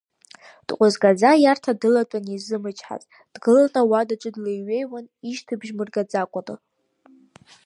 Дҟәызгаӡа аиарҭа дылатәаны изымычҳазт, дгыланы ауадаҿы длеиҩеиуан, ишьҭыбжь мыргаӡакәаны.